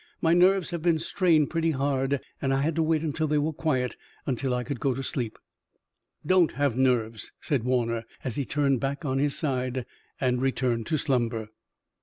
My nerves have been strained pretty hard, and I had to wait until they were quiet until I could go to sleep." "Don't have nerves," said Warner, as he turned back on his side and returned to slumber.